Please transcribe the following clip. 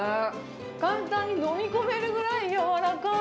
簡単に飲み込めるぐらいやわらかい。